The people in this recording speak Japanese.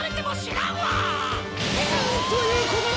なんということだ！